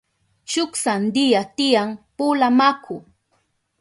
Shuk sandiya tiyan pula maku.